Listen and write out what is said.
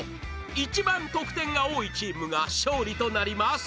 一番得点が多いチームが勝利となります